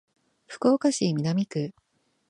福岡市南区